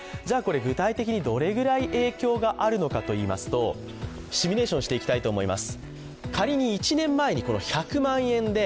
具体的にどれぐらい影響がありますと、シミュレーションしていきたいと思います。